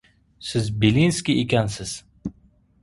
— Siz Belinskiy ekansiz!